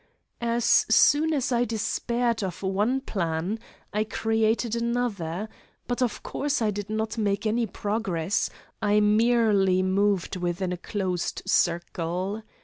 As soon as I despaired of one plan I created another, but of course I did not make any progress I merely moved within a closed circle.